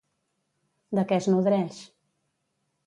De què es nodreix?